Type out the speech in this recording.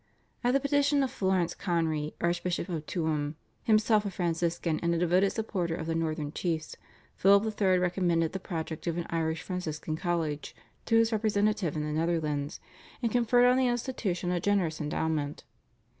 At the petition of Florence Conry, Archbishop of Tuam, himself a Franciscan and a devoted supporter of the Northern Chiefs, Philip III. recommended the project of an Irish Franciscan College to his representative in the Netherlands, and conferred on the institution a generous endowment.